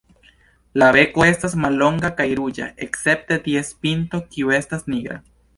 La beko estas mallonga kaj ruĝa escepte ties pinto kiu estas nigra.